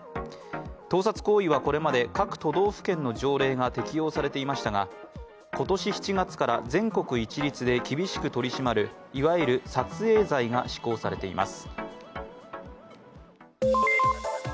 盗撮行為はこれまで各都道府県の条例が適用されていましたが今年７月から全国一律で厳しく取り締まる、いわゆる撮影罪が施行されています。